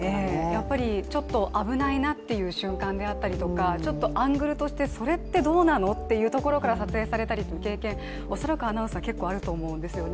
やっぱりちょっと危ないなっていう瞬間ですとか、ちょっとアングルとして、それってどうなのっていうところから撮影される経験、恐らくアナウンサーは結構あると思うんですよね。